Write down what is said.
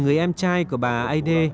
người em trai của bà aide